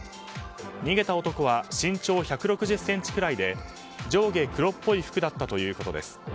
逃げた男は身長１６０ｃｍくらいで上下黒っぽい服だったということです。